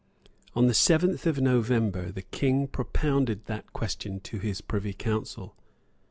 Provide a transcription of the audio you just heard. On the seventh of November the King propounded that question to his Privy Council.